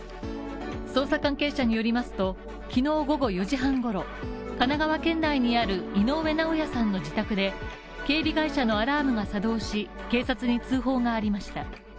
捜査関係者によりますと、きのう午後４時半ごろ、神奈川県内にある井上尚弥さんの自宅で、警備会社のアラームが作動し、警察に通報がありました。